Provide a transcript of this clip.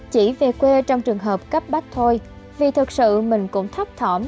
chỉ về quê trong trường hợp cấp bách thôi vì thật sự mình cũng thấp thỏm